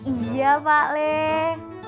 iya pak leh